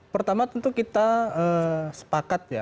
pertama tentu kita sepakat ya